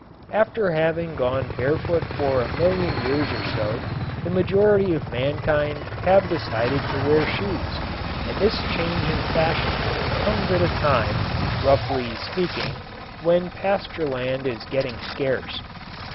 After having gone barefoot for a million years or so the majority of mankind have decided to wear shoes and this change in fashion comes at a time, roughly speaking, when pasture land is getting scarce.